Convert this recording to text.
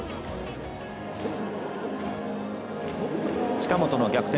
近本の逆転